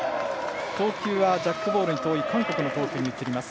投球はジャックボールに遠い韓国の投球になります。